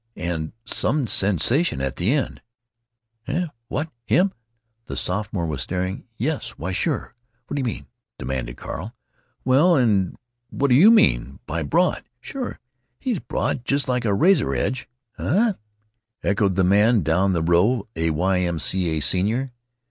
And some sensation at the end!" "Heh? What? Him?" The sophomore was staring. "Yes. Why, sure! Whadya mean?" demanded Carl. "Well, and wha' do you mean by 'broad'? Sure! He's broad just like a razor edge." "Heh?" echoed the next man down the row, a Y. M. C. A. senior.